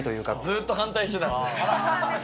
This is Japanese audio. ずっと反対してた。